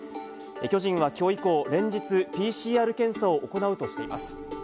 巨人はきょう以降、連日、ＰＣＲ検査を行うとしています。